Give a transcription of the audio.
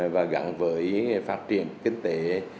và gắn với phát triển kinh tế